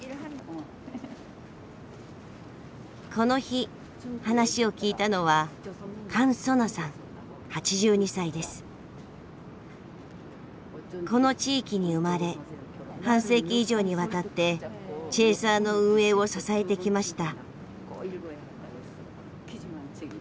この日話を聞いたのはこの地域に生まれ半世紀以上にわたってチェーサーの運営を支えてきました。